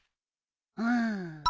うん。